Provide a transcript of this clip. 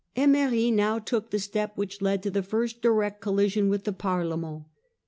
Ornery now took the step which led to the first direct collision with the Parlement .